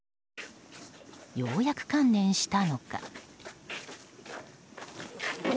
ようやく観念したのか。